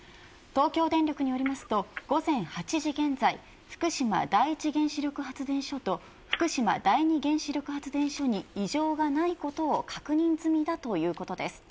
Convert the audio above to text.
東京電力によりますと午前８時現在福島第一原子力発電所と福島第二原子力発電所に異常がないことを確認済みだということです。